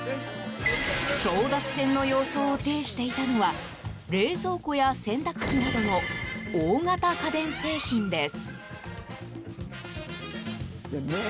争奪戦の様相を呈していたのは冷蔵庫や洗濯機などの大型家電製品です。